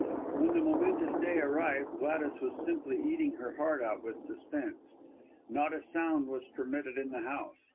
When the momentous day arrived, Gladys was simply eating her heart out with suspense. Not a sound was permitted in the house.